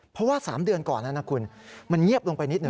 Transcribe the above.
เพราะว่า๓เดือนก่อนนั้นนะคุณมันเงียบลงไปนิดหนึ่ง